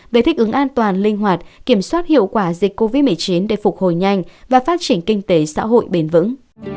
về thích ứng an toàn linh hoạt kiểm soát hiệu quả dịch covid một mươi chín để phục hồi nhanh và phát triển kinh tế xã hội bền vững